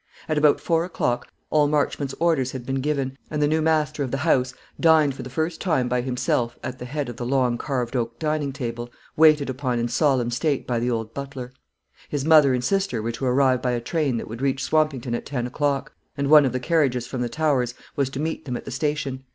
At about four o'clock all Paul Marchmont's orders had been given, and the new master of the house dined for the first time by himself at the head of the long carved oak dining table, waited upon in solemn state by the old butler. His mother and sister were to arrive by a train that would reach Swampington at ten o'clock, and one of the carriages from the Towers was to meet them at the station.